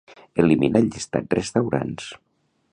Elimina el llistat "restaurants".